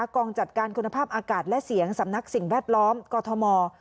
กองจัดการคุณภาพอากาศและเสียงสำนักสิ่งแวดล้อมกอทม